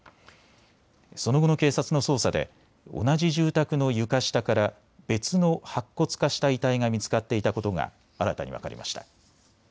その後の警察の捜査で同じ住宅の床下から別の白骨化した遺体が見つかっていたことが新たに分かりました。